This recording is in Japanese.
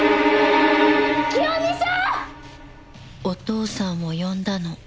お父さんを呼んだの。